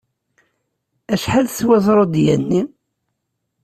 Acḥal teswa zrudya-nni?